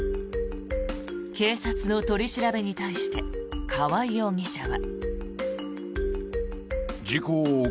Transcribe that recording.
警察の取り調べに対して川合容疑者は。